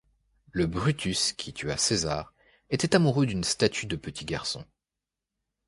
Le Brutus qui tua César était amoureux d'une statue de petit garçon.